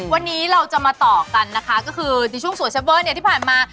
วันนี้เราจะมาต่อกันนะคะก็คือในช่วงสวยเซฟเวอร์เนี่ยที่ผ่านมา